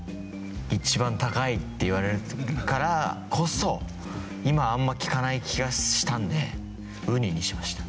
一番高いって言われるからこそ今あんま聞かない気がしたんでウニにしました。